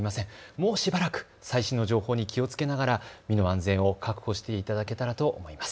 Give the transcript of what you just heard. もうしばらく最新の情報に気をつけながら身の安全を確保していただけたらと思います。